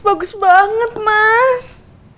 bagus banget mas